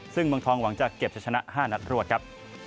ซึ่งเมืองทองหวังจะเก็บจะชนะ๕นัดรวดครับ